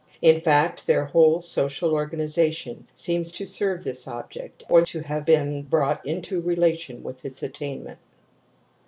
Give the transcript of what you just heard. In fact their whole social organiza tion seems to serve this object or to have been brought into relation with its attainment.